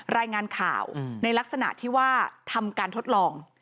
รายงานข่าวในลักษณะที่ว่าทำการทดลอง